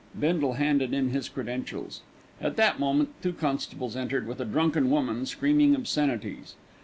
Bindle handed in his credentials. At that moment two constables entered with a drunken woman screaming obscenities.